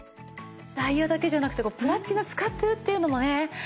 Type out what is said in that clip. ダイヤじゃなくてこうプラチナ使ってるっていうのもね